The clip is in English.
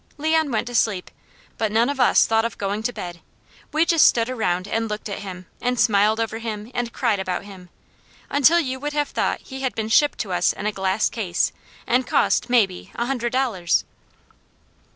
Leon went to sleep, but none of us thought of going to bed; we just stood around and looked at him, and smiled over him, and cried about him, until you would have thought he had been shipped to us in a glass case, and cost, maybe, a hundred dollars.